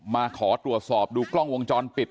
มาขอตรวจสอบดูกล้องวงจรปิด